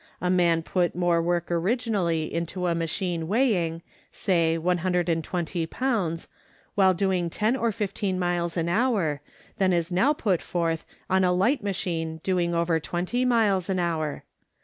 A man put more work originally into a machine weighing, say one hundred and twenty pounds, while doing ten or fifteen miles an hour, than is now put forth on a light machine doing over twenty miles an hour.